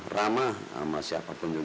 ramah sama siapapun juga